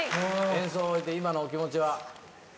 演奏を終えて今のお気持ちは？